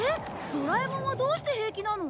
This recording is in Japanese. ドラえもんはどうして平気なの？